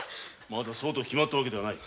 まだそうと決まった訳ではない。